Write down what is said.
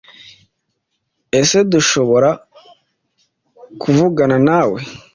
Ese dushobora kuvugana na we